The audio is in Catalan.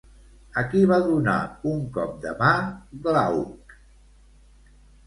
A qui va donar un cop de mà, Glauc?